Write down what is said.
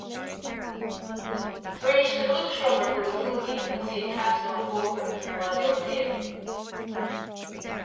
Tar éis do ghluaisrothar bualadh fúithi agus í ag trasnú an bhóthair i mBaile Átha Cliath.